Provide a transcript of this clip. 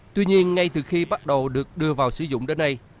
tuy nhiên ngay từ khi bắt đầu được đưa vào sử dụng đến nay